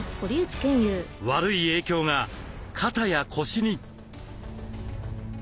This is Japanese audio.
悪い影響が肩や腰に。